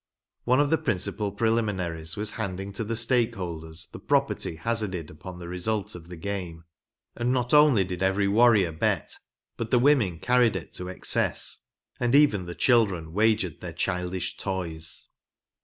One of the principal prelimi naries was handing to the stake holders the property THE ORIGINAL GAME. 21 hazarded upon the result of the game, and not only did every warrior bet, but the women carried it to excess, and even the children wagered their childish toys.